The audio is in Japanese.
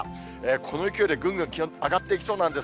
この勢いでぐんぐん気温上がっていきそうなんです。